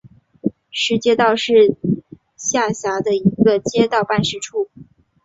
石街道是下辖的一个街道办事处。